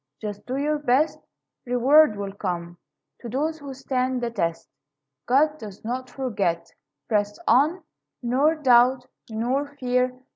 Just do your best. Reward will come To those who stand the test; God does not forget. Press on, Nor doubt, nor fear.